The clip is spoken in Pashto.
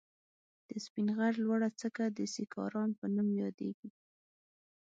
د سپين غر لوړه څکه د سيکارام په نوم ياديږي.